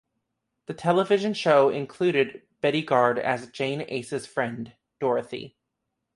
The television show included Betty Garde as Jane Ace's friend, Dorothy.